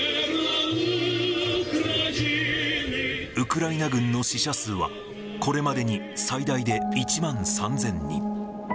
ウクライナ軍の死者数は、これまでに最大で１万３０００人。